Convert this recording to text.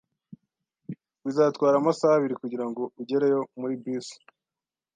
Bizatwara amasaha abiri kugirango ugereyo muri bisi.